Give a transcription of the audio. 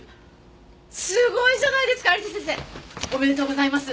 すごいじゃないですか有田先生！おめでとうございます。